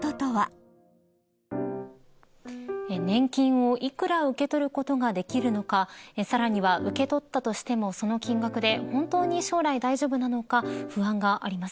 年金を幾ら受け取ることができるのかさらには受け取ったとしてもその金額で本当に将来大丈夫なのか不安がありますよね。